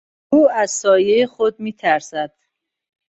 او از سایهٔ خود میترسد.